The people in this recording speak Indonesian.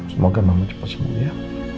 semoga mama cepet sembuh ya